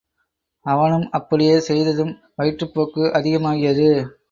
அவனும் அப்படியே செய்ததும் வயிற்றுப்போக்கு அதிகமாகியது.